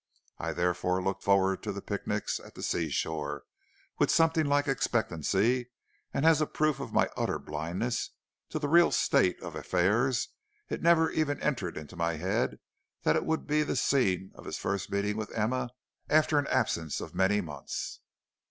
I therefore looked forward to the picnics at the seashore with something like expectancy, and as proof of my utter blindness to the real state of affairs, it never even entered into my head that it would be the scene of his first meeting with Emma after an absence of many months.